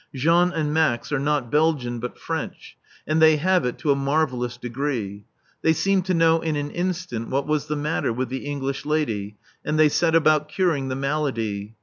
Jean and Max are not Belgian but French, and they have it to a marvellous degree. They seemed to know in an instant what was the matter with the English lady; and they set about curing the malady.